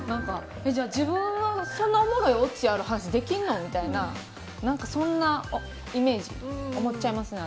自分そんなおもろいオチある話できんの？みたいなそんなイメージを持っちゃいます。